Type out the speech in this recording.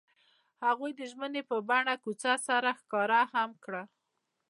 هغوی د ژمنې په بڼه کوڅه سره ښکاره هم کړه.